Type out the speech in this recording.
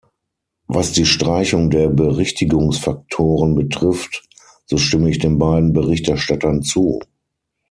Was die Streichung der Berichtigungsfaktoren betrifft, so stimme ich den beiden Berichterstattern zu.